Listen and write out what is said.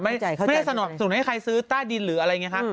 ไม่ได้สนุกให้ใครซื้อตลอดฤทธิ์อะไรอย่างเงี้ยครับ